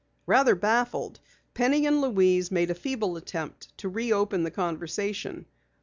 Rather baffled, Penny and Louise made a feeble attempt to reopen the conversation.